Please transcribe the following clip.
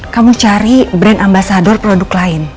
kamu cari brand ambasador produk lain